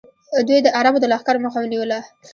دوی د عربو د لښکرو مخه ونیوله